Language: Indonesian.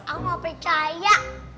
aku mau percaya